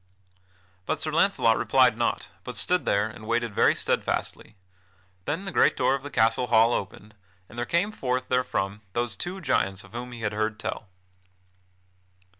But Sir Launcelot replied not, but stood there and waited very steadfastly. Then the great door of the castle hall opened, and there came forth therefrom those two giants of whom he had heard tell.